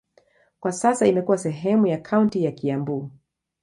Kwa sasa imekuwa sehemu ya kaunti ya Kiambu.